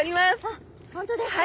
あっ本当ですか？